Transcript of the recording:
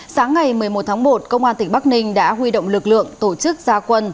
sáng ngày một mươi một tháng một công an tỉnh bắc ninh đã huy động lực lượng tổ chức gia quân